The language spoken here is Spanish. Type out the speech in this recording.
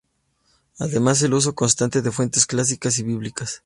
Además el uso constante de fuentes clásicas y bíblicas.